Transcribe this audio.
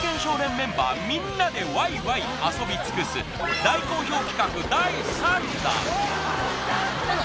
メンバーみんなでわいわい遊び尽くす、大好評企画第３弾。